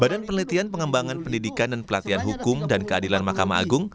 badan penelitian pengembangan pendidikan dan pelatihan hukum dan keadilan mahkamah agung